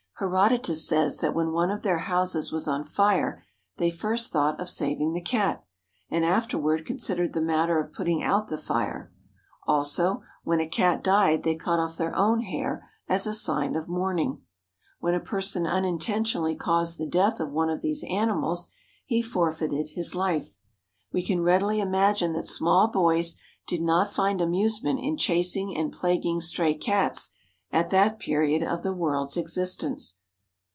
Herodotus says that when one of their houses was on fire they first thought of saving the Cat, and afterward considered the matter of putting out the fire; also when a Cat died they cut off their own hair as a sign of mourning. When a person unintentionally caused the death of one of these animals he forfeited his life. We can readily imagine that small boys did not find amusement in chasing and plaguing stray Cats at that period of the world's existence.